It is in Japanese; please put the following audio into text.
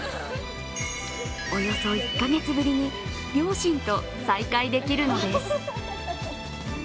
およそ１か月ぶりに両親と再会できるのです。